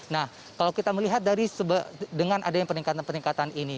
nah kalau kita melihat dengan adanya peningkatan peningkatan ini